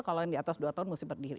kalau yang di atas dua tahun mesti berdiri